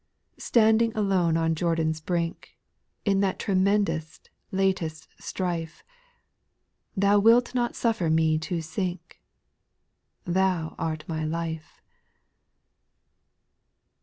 6. Standing alone on Jordan's brink. In that tremendous, latest strife. Thou wilt not suffer me to sink ;— Thou art my life.